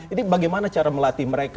ini bagaimana cara melatih mereka